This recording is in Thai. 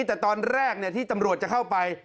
แต่ตอนแรกที่ตำรวจจะเข้าไป